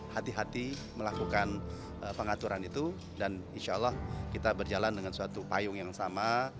hati hati melakukan pengaturan itu dan insya allah kita berjalan dengan suatu payung yang sama